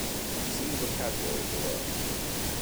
See Vocabulary below.